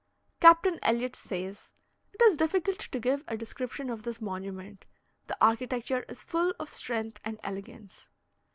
Captain Elliot says: "It is difficult to give a description of this monument; the architecture is full of strength and elegance."